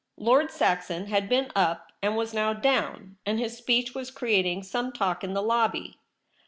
Lord Saxon had been up, and was now down, and his speech was creating some talk in the lobby.